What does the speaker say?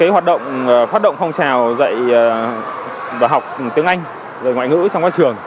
hoạt động phong trào dạy và học tiếng anh ngoại ngữ trong các trường